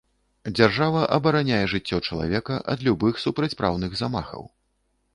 Дзяржава абараняе жыццё чалавека ад любых супрацьпраўных замахаў.